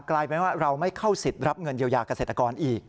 กลายเป็นว่าเราไม่เข้าสิทธิ์รับเงินเยียวยาเกษตรกรอีก